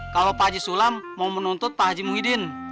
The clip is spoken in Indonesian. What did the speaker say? kalau paji sulam mau menuntut pak haji muhyiddin